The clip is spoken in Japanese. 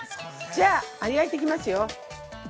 じゃあ、あれ焼いていきますよ。